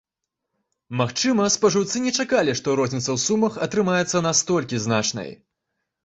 Магчыма, спажыўцы не чакалі, што розніца ў сумах атрымаецца настолькі значнай.